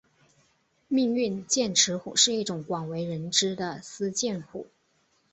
命运剑齿虎是一种广为人知的斯剑虎。